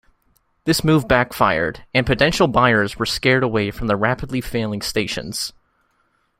This move backfired, and potential buyers were scared away from the rapidly failing stations.